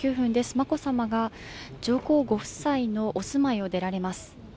眞子さまが、上皇ご夫妻のお住まいを出られます。